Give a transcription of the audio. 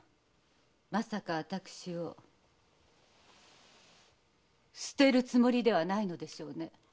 まさか私を棄てるつもりではないのでしょうね？